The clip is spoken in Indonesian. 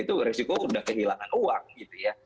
itu resiko sudah kehilangan uang gitu ya